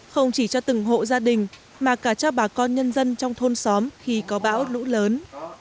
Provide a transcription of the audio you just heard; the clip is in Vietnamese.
không chỉ cho từng hộ gia đình mà cả cho bà con nhân dân trong thôn xóm khi có bão lũ lớn